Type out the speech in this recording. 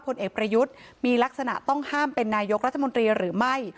ผลเอกประยุทธ์มีลักษณะต้องห้ามเป็นนายกรัฐมนตรีหรือไม่